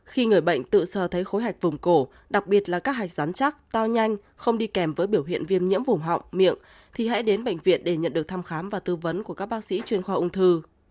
khi người bệnh tự sơ thấy khối hạch vùng cổ đặc biệt là các hạch rán chắc to nhanh không đi kèm với biểu hiện viêm nhiễm vùng họng miệng thì hãy đến bệnh viện để nhận được thăm khám và tư vấn của các bác sĩ chuyên khoa ung thư